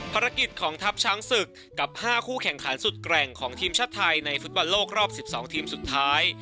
ภารกิจของทัพช้างศึกกับ๕คู่แข่งขันสุดแกร่งของทีมชาติไทยในฟุตบอลโลกรอบ๑๒ทีมสุดท้าย